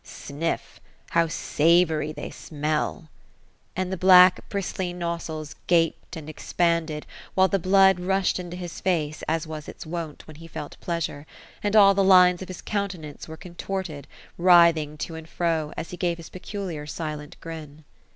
^ Sniff, how savory they smell !" And the black bristly nostrils gapod and expanded, while the blood rushed into his face, as was its wont, when he felt pleasure ; and all the lines of his countenance were contorted, writhing to and fro, as he gave his peculiar silent grin.